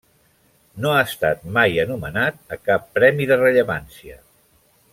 No ha estat mai anomenat a cap premi de rellevància.